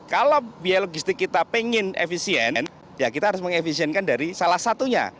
kalau biaya logistik kita pengen efisien ya kita harus mengefisienkan dari salah satunya